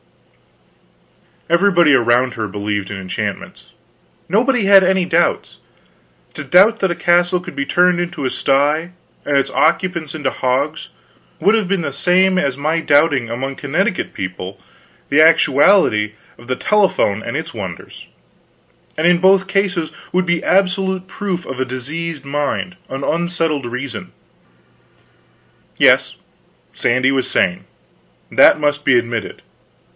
Everybody around her believed in enchantments; nobody had any doubts; to doubt that a castle could be turned into a sty, and its occupants into hogs, would have been the same as my doubting among Connecticut people the actuality of the telephone and its wonders, and in both cases would be absolute proof of a diseased mind, an unsettled reason. Yes, Sandy was sane; that must be admitted.